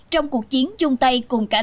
trong cuộc chiến chung tay cùng các gia đình